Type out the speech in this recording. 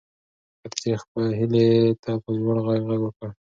خدیجې هیلې ته په لوړ غږ غږ وکړ.